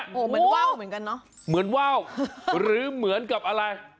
โหเหมือนว้าวเหมือนกันเนอะหรือเหมือนกับอะไร